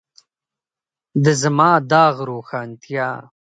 د زما داغ روښانتیا.